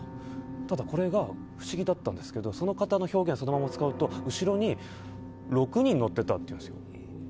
ただ、これが不思議だったんですけどその方の表現をそのまま使うと後ろに６人乗ってたって言うんですよ。